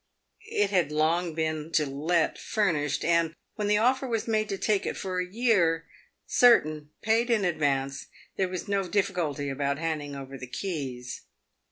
It had long been to let fur nished, and, when the offer was made to take it for a year certain, paid in advance, there was no difficulty about handing over the keys.